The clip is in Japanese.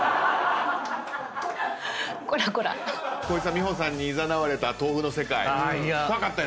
美穂さんにいざなわれた豆腐の世界深かったですね。